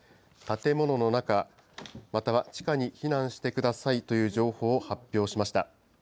建物の中、または地下に避難してくださいという情報を発表しました。